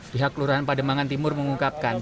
dihak lurahan pademangan timur mengungkapkan